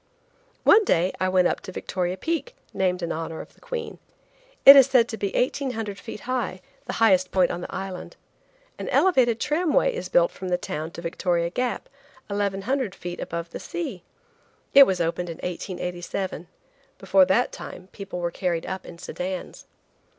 One day I went up to Victoria Peak, named in honor of the Queen. It is said to be 1,800 feet high, the highest point on the island. An elevated tramway is built from the town to Victoria Gap, 1,100 feet above the sea. It was opened in 1887. Before that time people were carried up in sedans.